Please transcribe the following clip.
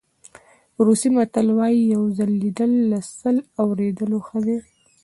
روسي متل وایي یو ځل لیدل له سل اورېدلو ښه دي.